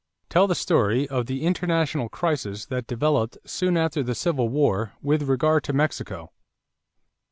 Tell the story of the international crisis that developed soon after the Civil War with regard to Mexico.